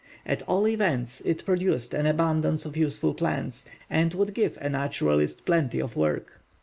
At all events, it produced an abundance of useful plants, and would give a naturalist plenty of work.